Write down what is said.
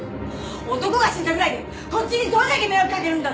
男が死んだぐらいでこっちにどれだけ迷惑かけるんだ！？